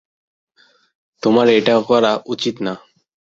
তোমার এটা করা উচিত না।